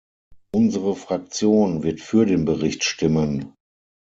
Unsere Fraktion wird für den Bericht stimmen.